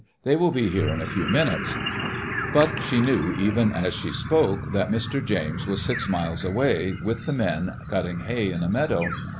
They will be here in a few minutes." But she knew, even as she spoke, that Mr. James was six miles away, with the men, cutting hay in a meadow.